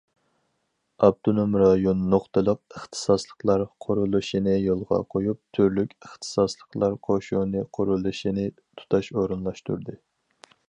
ئاپتونوم رايون نۇقتىلىق ئىختىساسلىقلار قۇرۇلۇشىنى يولغا قويۇپ، تۈرلۈك ئىختىساسلىقلار قوشۇنى قۇرۇلۇشىنى تۇتاش ئورۇنلاشتۇردى.